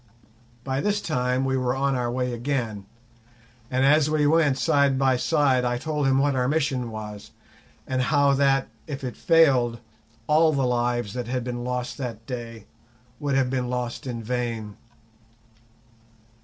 By this time we were on our way again, and as we went side by side I told him what our mission was, and how that, if it failed, all the lives that had been lost that day would have been lost in vain.